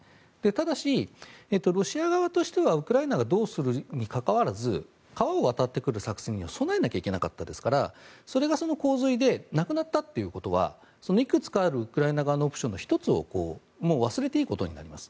ただし、ロシア側としてはウクライナがどうするかに関わらず川を渡ってくる作戦には備えなきゃいけなかったですからそれが、その洪水でなくなったということはいくつかあるウクライナ側のオプションの１つをもう忘れていいことになります。